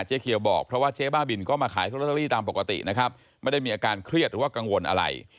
เขียวบอกเพราะว่าเจ๊บ้าบินก็มาขายโรตเตอรี่ตามปกตินะครับไม่ได้มีอาการเครียดหรือว่ากังวลอะไร